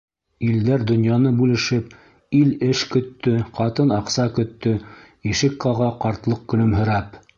Илдәр донъяны бүлешеп, Ил эш көттө, ҡатын аҡса көттө, Ишек ҡаға ҡартлыҡ көлөмһөрәп.